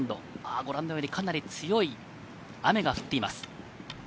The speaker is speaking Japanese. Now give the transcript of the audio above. ご覧のように、かなり強い雨が降っています。